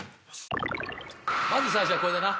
まず最初はこれだな。